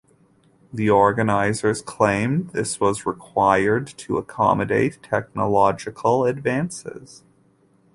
The organisers claimed this was required to accommodate technological advances.